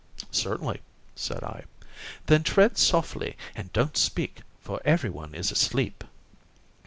"Certainly," said I. "Then tread softly and don't speak, for everyone is asleep."